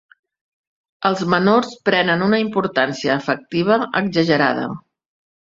Els menors prenen una importància afectiva exagerada.